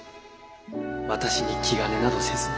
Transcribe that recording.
私に気兼ねなどせずに。